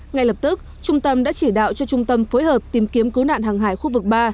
ngay lập tức trung tâm đã chỉ đạo cho trung tâm phối hợp tìm kiếm cứu nạn hàng hải khu vực ba